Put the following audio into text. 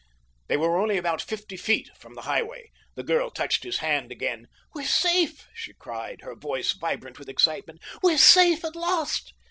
They were only about fifty feet from the highway. The girl touched his hand again. "We're safe," she cried, her voice vibrant with excitement, "we're safe at last."